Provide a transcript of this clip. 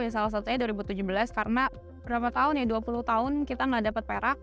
salah satunya dua ribu tujuh belas karena dua puluh tahun kita nggak dapat perak